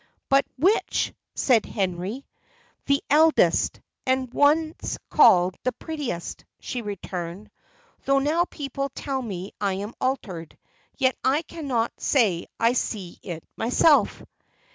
"But which?" said Henry. "The eldest, and once called the prettiest," she returned: "though now people tell me I am altered; yet I cannot say I see it myself."